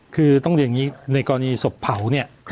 คือต้องเรียนอย่างนี้ในกรณีศพเผาเนี่ย